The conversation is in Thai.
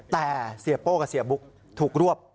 แต่เสียโป้กับเสียบุ๊กถูกรวบ